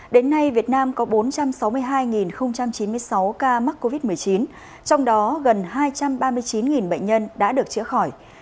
đến nay việt nam có bốn trăm sáu mươi hai chín mươi sáu ca mắc covid một mươi chín trong đó gần hai trăm ba mươi chín bệnh nhân đã được chữa khỏi